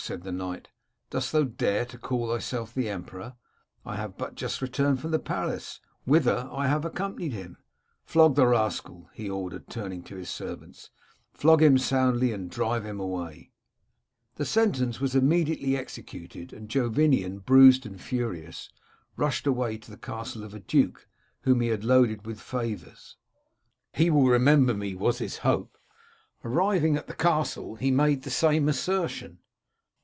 * said the knight, * dost thou dare to call thyself the emperor ? I have but just returned from the palace, whither I have accompanied him. Flog the rascal,' he ordered, turning to his servants :* flog him soundly, and drive him away.' "The sentence was immediately executed, and Jovinian, bruised and furious, rushed away to the castle of a duke whom he had loaded with favours. * He will remember me,' was his hope. Arrived at the castle, he made the same assertion.